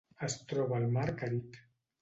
Es troba al mar Carib.